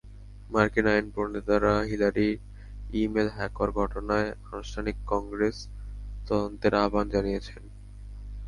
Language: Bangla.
মার্কিন আইনপ্রণেতারা হিলারির ই-মেইল হ্যাক হওয়ার ঘটনায় আনুষ্ঠানিক কংগ্রেস তদন্তের আহ্বান জানিয়েছে।